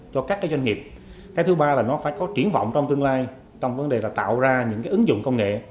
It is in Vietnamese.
cho các cái doanh nghiệp cái thứ ba là nó phải có triển vọng trong tương lai trong vấn đề là tạo ra những cái ứng dụng công nghệ